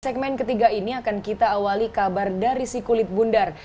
segmen ketiga ini akan kita awali kabar dari si kulit bundar